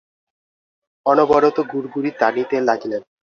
অনবরত গুড়গুড়ি টানিতে লাগিলেন।